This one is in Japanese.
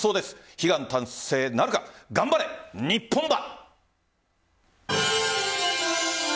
悲願達成なるか頑張れ日本馬。